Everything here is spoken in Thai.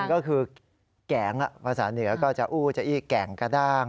ก็คือแก่งภาษาเหนือก็จะอู้จะอี้แก่งกระด้าง